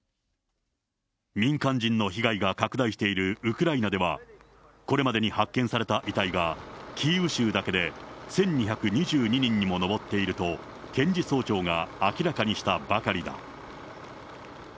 民間人の被害が拡大しているウクライナでは、これまでに発見された遺体がキーウ州だけで１２２２人にも上っていると、検事総長が明らかにしたばかりだ。